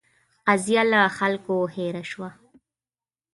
قضیه له خلکو هېره شوه.